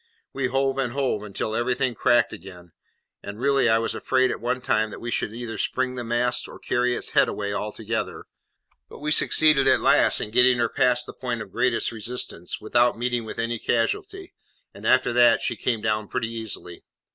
We hove and hove until everything cracked again; and I really was afraid at one time that we should either spring the mast or carry its head away altogether, but we succeeded at last in getting her past the point of greatest resistance, without meeting with any casualty, and after that she came down pretty easily.